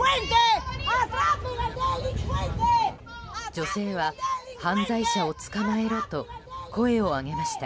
女性は、犯罪者を捕まえろと声を上げました。